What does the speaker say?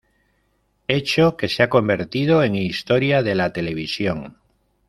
Hecho que se ha convertido en historia de la televisión.